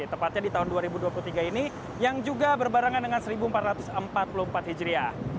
tepatnya di tahun dua ribu dua puluh tiga ini yang juga berbarengan dengan seribu empat ratus empat puluh empat hijriah